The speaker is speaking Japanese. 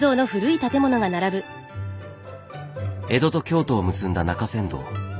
江戸と京都を結んだ中山道。